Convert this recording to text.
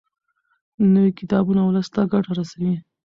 نوي کتابونه ولس ته ګټه رسوي.